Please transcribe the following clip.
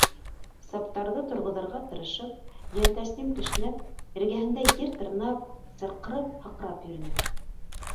Саптарҙы торғоҙорға тырышып, йәнтәслим кешнәп, эргәһендә ер тырнап сырҡырап-һыҡрап йөрөнө.